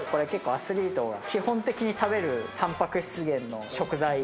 アスリートが基本的に食べるタンパク質源の食材。